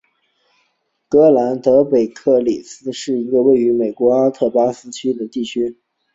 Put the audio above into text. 格兰德贝里克罗斯罗兹是一个位于美国阿拉巴马州亨利县的非建制地区。